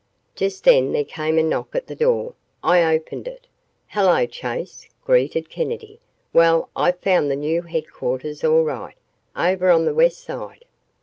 Just then there came a knock at the door. I opened it. "Hello, Chase," greeted Kennedy. "Well, I've found the new headquarters all right, over on the west side."